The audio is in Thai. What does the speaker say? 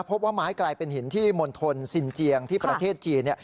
พบว่าไม้กลายเป็นหินที่มณฑลซินเจียงที่ประเทศจีน